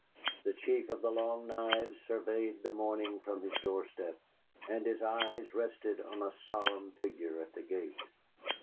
The Chief of the Long Knives surveyed the morning from his door step, and his eyes rested on a solemn figure at the gate.